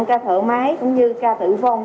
ca thở máy cũng như ca tử vong